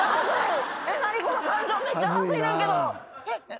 えっ？